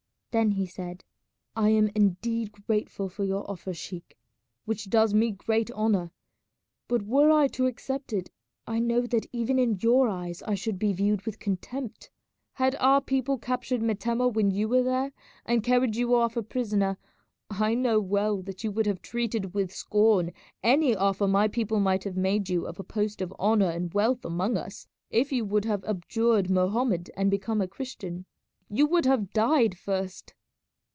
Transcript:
Then he said, "I am indeed grateful for your offer, sheik, which does me great honour, but were I to accept it I know that even in your eyes I should be viewed with contempt. Had our people captured Metemmeh when you were there, and carried you off a prisoner, I know well that you would have treated with scorn any offer my people might have made you of a post of honour and wealth among us if you would have abjured Mohammed and become a Christian. You would have died first."